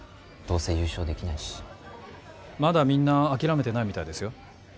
どうせ優勝できないしまだみんな諦めてないみたいですよ